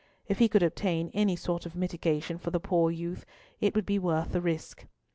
If he could obtain any sort of mitigation for the poor youth, it would be worth the risk.